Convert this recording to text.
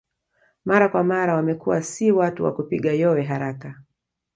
Mara kwa mara wamekuwa si watu wa kupiga yowe haraka